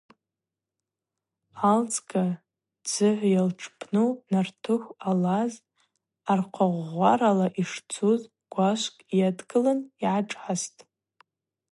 Аалдзга дзыгӏв йатшпну нартыхв ъалаз архъагъвгъварала йшцуз гвашвкӏ йадгылын йгӏашӏастӏ.